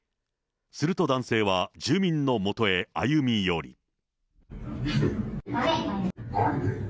すると男性は住民のもとへ歩み寄り。だめ。